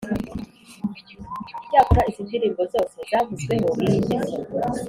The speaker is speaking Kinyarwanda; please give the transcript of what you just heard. icyakora izi ndirimbo zose zavuzweho iyi ngeso